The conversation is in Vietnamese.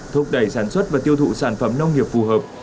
thúc đẩy sản xuất và tiêu thụ sản phẩm nông nghiệp phù hợp